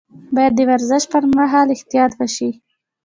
باید د ورزش پر مهال احتیاط وشي.